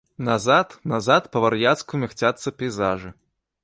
Назад, назад па-вар'яцку мігцяцца пейзажы.